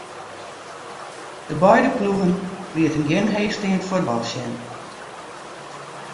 De beide ploegen lieten gjin heechsteand fuotbal sjen.